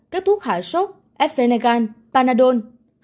một các thuốc hạ sốt f venegan panadol